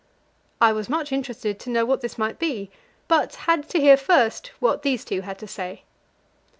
I was much interested to know what this might be, but had to hear first what these two had to say.